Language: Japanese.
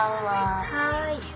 はい。